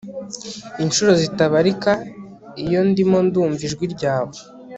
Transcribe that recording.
incuro zitabarika Iyo ndimo ndumva ijwi ryawe